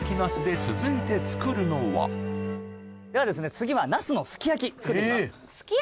次はナスのすき焼き作っていきます